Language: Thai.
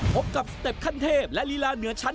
พบกับสเต็ปขั้นเทพและลีลาเหนือชั้น